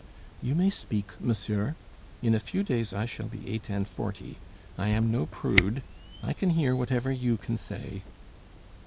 "You may speak, monsieur. In a few days I shall be eight and forty; I am no prude; I can hear whatever you can say."